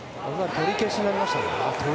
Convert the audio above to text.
取り消しになりました。